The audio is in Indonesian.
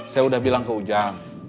saya udah bilang ke ujang